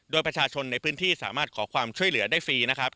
โดยประชาชนในพื้นที่สามารถขอความช่วยเหลือได้ฟรีนะครับ